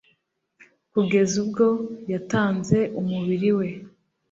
kugeza ubwo yatanze umubiri we